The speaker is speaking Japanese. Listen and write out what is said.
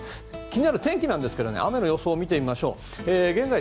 気になる天気ですが雨の予想を見てみましょう。